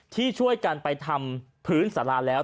ที่ช่วยกันไปทำพื้นสาราแล้ว